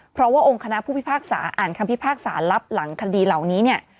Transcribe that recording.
เพราะว่าองค์คณะผู้พิพากษาอ่านคำพิพากษารับหลังคดีเหล่านี้เนี่ย